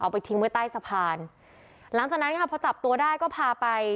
ไปทิ้งไว้ใต้สะพานหลังจากนั้นค่ะพอจับตัวได้ก็พาไป